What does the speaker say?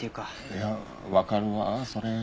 いやわかるわそれ。